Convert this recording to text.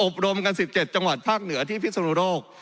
อบรมกันสิบเจ็ดจังหวัดภาคเหนือที่พิศโรโลก